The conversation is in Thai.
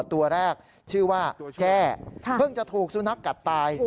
ตัวแรกชื่อว่าแจ้เพิ่งจะถูกสุนัขกัดตาย